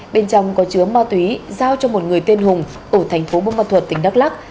bên trong có chứa ma túy giao cho một người tên hùng ở thành phố bô ma thuật tỉnh đắk lắc